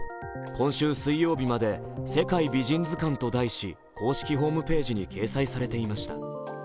今週水曜日まで世界美人図鑑と題し公式ホームページに掲載されていました。